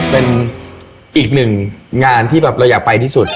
เป็นอีกหนึ่งงานที่แบบเราอยากไปที่สุด